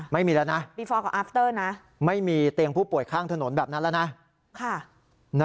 ไม่มีแล้วนะไม่มีเตรียมผู้ป่วยข้างถนนแบบนั้นแล้วนะ